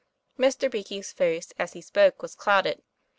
Mr Beakey's face as he spoke was clouded.